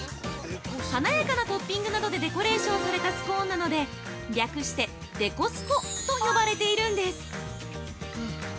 華やかなトッピングなどでデコレーションされたスコーンなので略してデコスコと呼ばれているんです。